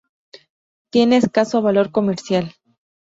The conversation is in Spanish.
Tiene escaso valor comercial.